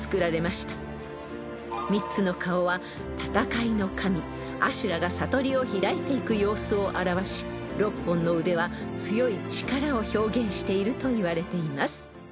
［３つの顔は戦いの神阿修羅が悟りを開いていく様子を表し６本の腕は強い力を表現しているといわれています］